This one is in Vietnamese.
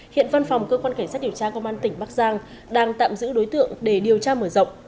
hiện văn phòng cơ quan cảnh sát điều tra công an tỉnh bắc giang đang tạm giữ đối tượng để điều tra mở rộng